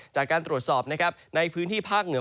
จากการตรวจสอบนะครับในพื้นที่ภาคเหนือ